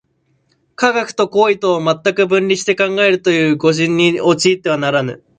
科学と行為とを全く分離して考えるという誤謬に陥ってはならぬ。